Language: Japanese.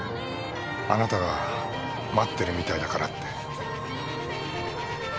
「あなたが待ってるみたいだから」って。